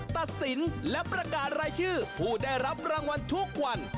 ตัดสินและประกาศรายชื่อผู้ได้รับรางวัลทุกวัน